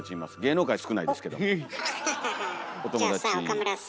じゃあさ岡村さ。